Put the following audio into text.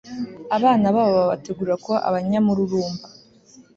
abana babo babategurira kuba abanyamururumba